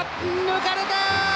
抜かれた！